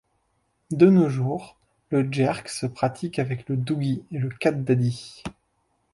De nos jours le jerk se pratique avec le Dougie et le cat daddy.